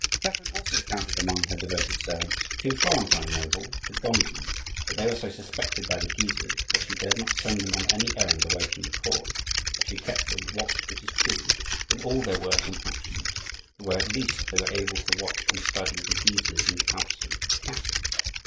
Catherine also counted among her devoted servants two Florentine nobles, the Gondi; but they were so suspected by the Guises that she dared not send them on any errand away from the court, where she kept them, watched, it is true, in all their words and actions, but where at least they were able to watch and study the Guises and counsel Catherine.